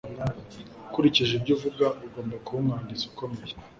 Ukurikije ibyo uvuga agomba kuba umwanditsi ukomeye